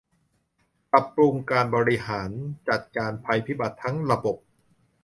ปรับปรุงการบริหารจัดการภัยพิบัติทั้งระบบ